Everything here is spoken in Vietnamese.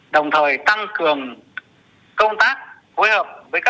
đồng thời tăng cường công tác